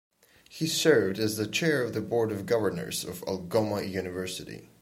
He served as the chair of the Board of Governors of Algoma University.